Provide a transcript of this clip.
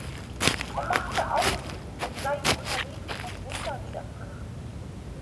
Er machte Augen, als sei ihm unterwegs ein Wunder widerfahren.